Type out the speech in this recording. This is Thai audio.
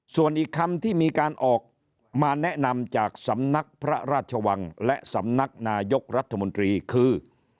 ส่วนอีกคำที่มีการออกมาแนะนำจากสำนักพระราชวังและสำนักนายกรัฐมนตรีคือ